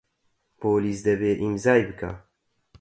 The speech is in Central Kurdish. پۆلیس دەبێ ئیمزای بکا.